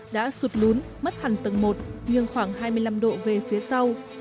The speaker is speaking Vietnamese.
đã sụt lún mất hẳn tầng một nhưng khoảng hai mươi năm độ về phía sau